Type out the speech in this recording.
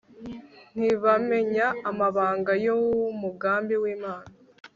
ntibamenya amabanga y'umugambi w'imana